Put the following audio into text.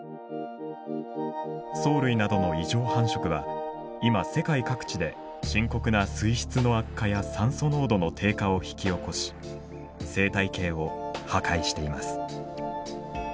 藻類などの異常繁殖は今世界各地で深刻な水質の悪化や酸素濃度の低下を引き起こし生態系を破壊しています。